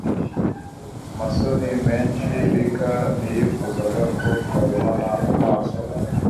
amasoni menshi Ricky ntiyifuzaga ko twarebana mu maso